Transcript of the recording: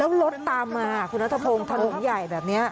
แล้วรถตามมาคุณนัทพงศ์ถนนใหญ่แบบนี้